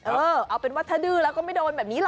เออเอาเป็นวัตถดือไม่โดนเนี้ย